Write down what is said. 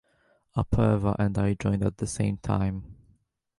Apurva and I joined at the same time.